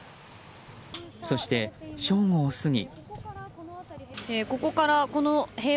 そして、正午を過ぎ。